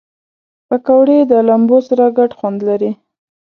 پکورې د لمبو سره ګډ خوند لري